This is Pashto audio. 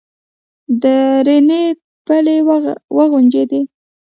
درنې پلې وغنجېدې.